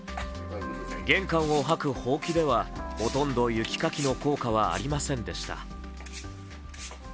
玄関を掃くほうきではほとんど雪かきの効果はありませんでした。